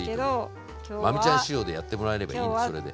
真海ちゃん仕様でやってもらえればいいんですそれで。